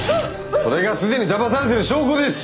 それが既にだまされてる証拠です！